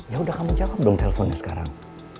ya udah kamu jawab dong teleponnya sekarang